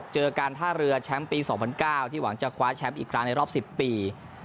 การท่าเรือแชมป์ปี๒๐๐๙ที่หวังจะคว้าแชมป์อีกครั้งในรอบ๑๐ปี